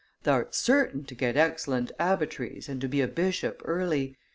Thou'rt certain to get excellent abbotries and to be a bishop early.